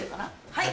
はい！